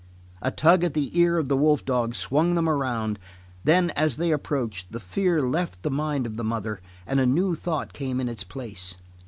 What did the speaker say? A tug at the ear of the wolf dog swung them around; then as they approached, the fear left the mind of the mother and a new thought came in its place.